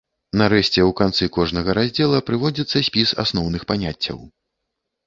Нарэшце, у канцы кожнага раздзела прыводзіцца спіс асноўных паняццяў.